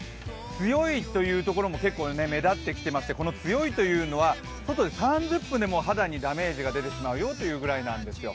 強いという所も結構目立ってきてまして強いというのは、３０分でも肌にダメージが出てしまうよというぐらい何ですよ。